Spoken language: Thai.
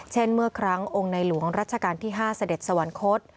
เมื่อครั้งองค์ในหลวงรัชกาลที่๕เสด็จสวรรคต